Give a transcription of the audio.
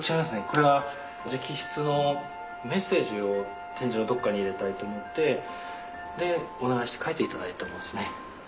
これは直筆のメッセージを展示のどこかに入れたいと思ってお願いして書いて頂いたものですね。